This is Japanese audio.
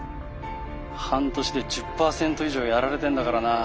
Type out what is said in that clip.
半年で１０％以上やられてんだからな。